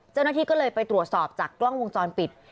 เจ้าหน้าที่ก็เลยไปตรวจสอบจากกล้องวงจรปิด